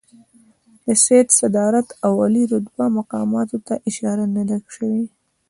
د سید صدارت او عالي رتبه مقاماتو ته اشاره نه ده شوې.